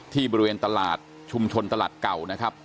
ที่บริเวณตลาดชุมชนตลาดเก่านะครับ